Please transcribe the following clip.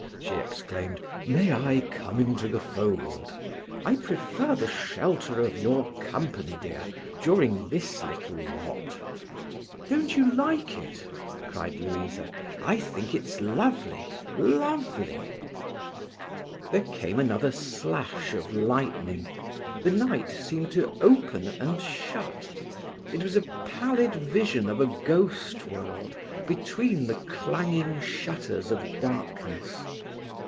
she exclaimed, "may I come into the fold? I prefer the shelter of your company, dear, during this little lot." "Don't you like it?" cried Louisa. "I think it's lovely—lovely!" There came another slash of lightning. The night seemed to open and shut. It was a pallid vision of a ghost world between the clanging shutters of darkness.